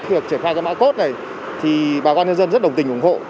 việc triển khai cho mã code này thì bà con nhân dân rất đồng tình ủng hộ